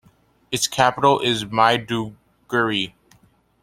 Its capital is Maiduguri.